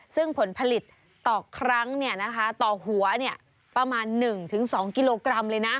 ซึ่งผลผลิตต่อครั้งต่อหัวประมาณ๑๒กิโลกรัมเลยนะ